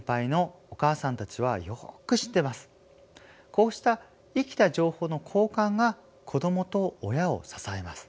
こうした生きた情報の交換が子どもと親を支えます。